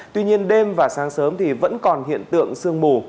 tuy nhiên đêm và sáng sớm thì vẫn còn hiện tượng sương mù